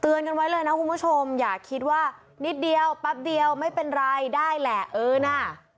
กันไว้เลยนะคุณผู้ชมอย่าคิดว่านิดเดียวแป๊บเดียวไม่เป็นไรได้แหละเออน่ะ